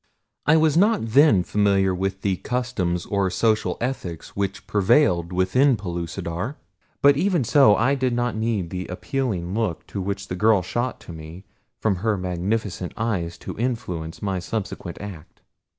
I was not then familiar with the customs or social ethics which prevailed within Pellucidar; but even so I did not need the appealing look which the girl shot to me from her magnificent eyes to influence my subsequent act.